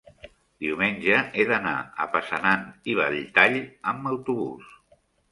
diumenge he d'anar a Passanant i Belltall amb autobús.